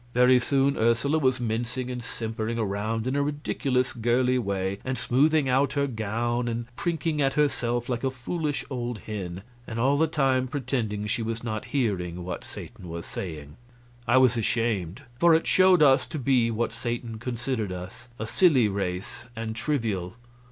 Very soon Ursula was mincing and simpering around in a ridiculous girly way, and smoothing out her gown and prinking at herself like a foolish old hen, and all the time pretending she was not hearing what Satan was saying. I was ashamed, for it showed us to be what Satan considered us, a silly race and trivial.